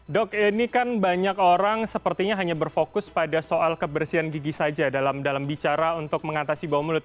dok ini kan banyak orang sepertinya hanya berfokus pada soal kebersihan gigi saja dalam bicara untuk mengatasi bau mulut